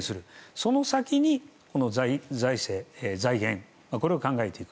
その先に、財源これを考えていく。